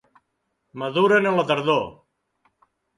Maduren a la tardor.